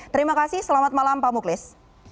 terima kasih selamat malam pak muklis